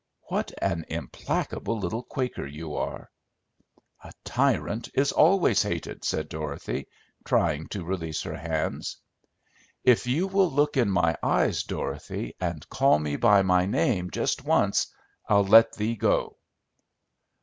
"What an implacable little Quaker you are." "A tyrant is always hated," said Dorothy, trying to release her hands. "If you will look in my eyes, Dorothy, and call me by my name, just once, I'll let 'thee' go."